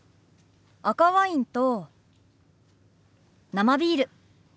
赤ワインと生ビール。